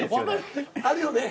あるよね？